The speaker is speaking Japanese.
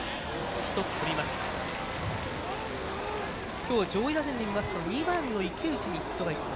今日上位打線で見ますと２番の池内にヒットが１本。